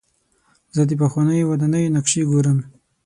زه د پخوانیو ودانیو نقشې ګورم.